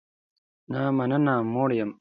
نه مننه، موړ یم